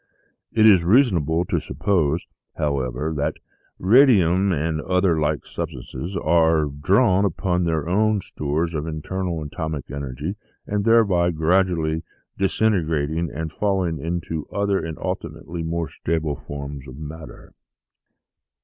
It is reasonable to suppose, however, that radium and the other like substances are drawing upon their own stores of internal atomic energy, and thereby gradually dis integrating and falling into other and ultimately more stable forms of matter."